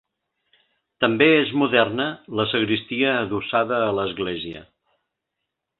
També és moderna la sagristia adossada a l'església.